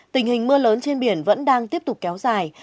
tình hình mưa lớn trên biển vẫn đang tiếp tục kéo dài